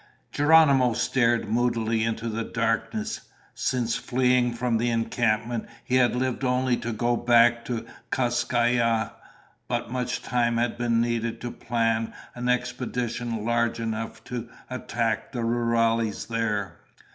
Geronimo stared moodily into the darkness. Since fleeing from the encampment he had lived only to go back to Kas Kai Ya. But much time had been needed to plan an expedition large enough to attack the rurales there.